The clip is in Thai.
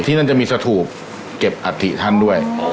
นั่นจะมีสถูปเก็บอัฐิท่านด้วย